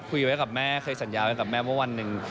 เพราะจะคุยไว้กับแม่เคยสัญญาเห็นกับแม่เมื่อวันนึง